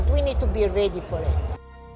tapi kita harus bersedia untuk itu